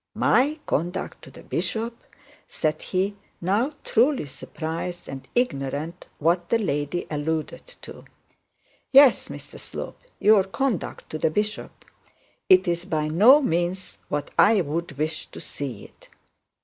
'My conduct to the bishop,' said he, now truly surprised and ignorant what the lady alluded to. 'Yes, Mr Slope; your conduct to the bishop. It is by no means what I would wish to see it.'